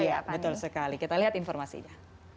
iya betul sekali kita lihat informasinya